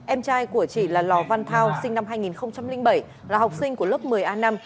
em trai của chị là lò văn thao sinh năm hai nghìn bảy là học sinh của lớp một mươi a năm